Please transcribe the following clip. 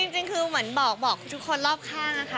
จริงคือบอกเก่งกันให้คุณคนนั้นค่ะ